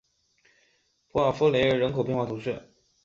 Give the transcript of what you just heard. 普瓦夫雷人口变化图示